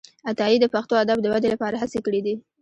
عطايي د پښتو ادب د ودې لپاره هڅي کړي دي.